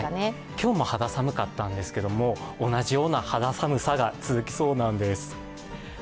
今日も肌寒かったんですけれども、同じような肌寒さが続きそうなんです。